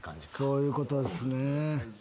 そういうことですね。